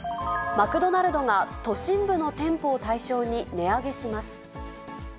マクドナルドが都心部の店舗を対象に値上げします。